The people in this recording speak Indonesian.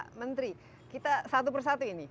pak menteri kita satu persatu ini